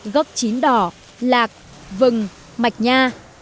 gốc chín đỏ lạc vừng mạch nha